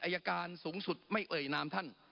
อายการสูงสุดไม่เอ่ยนามท่าน